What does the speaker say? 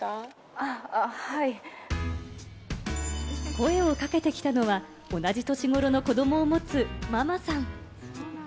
声をかけてきたのは、同じ年頃の子どもを持つママさん。